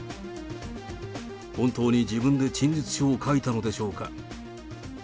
本当に自分で陳述書を書いたのでしょうか。